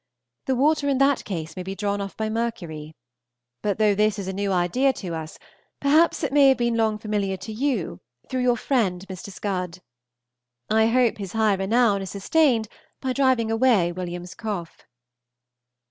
The water in that case may be drawn off by mercury. But though this is a new idea to us, perhaps it may have been long familiar to you through your friend Mr. Scud. I hope his high renown is sustained by driving away William's cough.